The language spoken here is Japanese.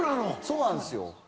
そうなんですよ。